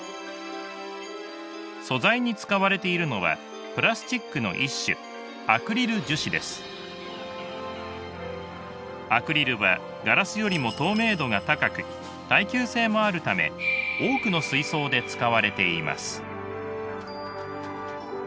素材に使われているのはプラスチックの一種アクリルはガラスよりも透明度が高く耐久性もあるため多くの水槽で使われています。